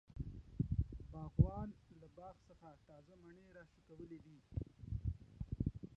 باغوان له باغ څخه تازه مڼی راشکولی دی.